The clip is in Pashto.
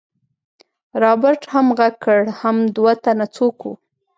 رابرټ هم غږ کړ حم دوه تنه څوک وو.